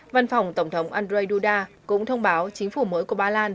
văn phòng tổng thống andrzej duda cũng thông báo chính phủ mới của ba lan